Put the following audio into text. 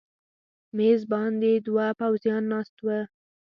مېز باندې دوه پوځیان ناست و.